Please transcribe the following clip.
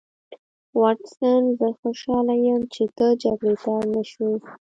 واټسن زه خوشحاله یم چې ته جګړې ته اړ نشوې